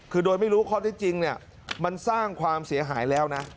คือโดยไม่รู้ข้อที่จริงเนี่ยมันสร้างความเสียหายแล้วนะ